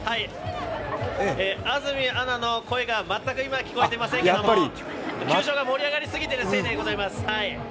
安住アナの声が今全く聞こえてませんけど、球場が盛り上がりすぎてるせいだと思います。